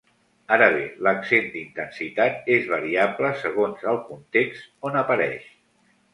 Ara bé, l'accent d'intensitat és variable segons el context on apareix.